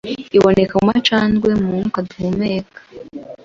Iboneka mu macandwe, mu mwuka duhumeka